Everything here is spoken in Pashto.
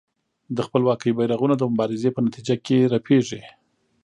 د خپلواکۍ بېرغونه د مبارزې په نتیجه کې رپېږي.